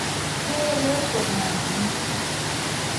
ผู้ละเมิดกฎหมาย